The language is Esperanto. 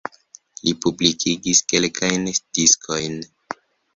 Li publikigis kelkajn diskojn.